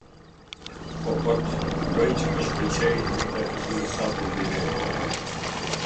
O ot, bëj që të shkëlqejë drita e fytyrës sate mbi ne.